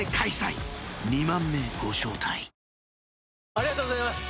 ありがとうございます！